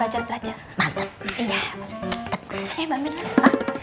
eh mbak mirna